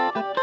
aduh aku bisa